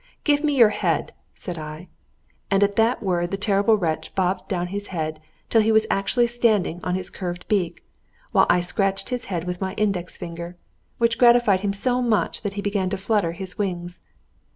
"Give me your head!" said I. And at that word the terrible wretch bobbed down his head till he was actually standing on his curved beak, while I scratched his head with my index finger, which gratified him so much that he began to flutter his wings.